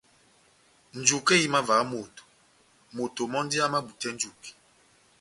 Njuke ihimavaha moto, moto mɔ́ndi amabutɛ njuke.